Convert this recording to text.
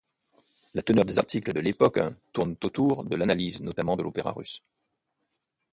La teneur des articles de l'époque tournent autour de l'analyse, notamment de l'opéra russe.